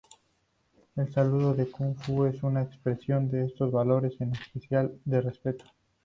El saludo en kung-fu es una expresión de estos valores, en especial, de respeto.